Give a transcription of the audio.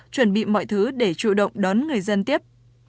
chuẩn bị mọi thứ để chủ động đón người dân tiếp